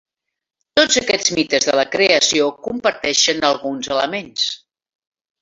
Tots aquests mites de la creació comparteixen alguns elements.